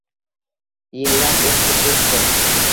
Yillar o’tdi-ketdi